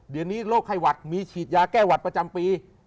เดี๋ยวนี้โรคไข้หวัดมีฉีดยาแก้หวัดประจำปี